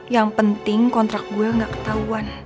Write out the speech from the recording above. yang penting kontrak gue gak ketahuan